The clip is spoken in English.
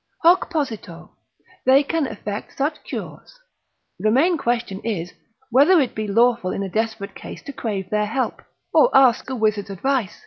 Hoc posito, they can effect such cures, the main question is, whether it be lawful in a desperate case to crave their help, or ask a wizard's advice.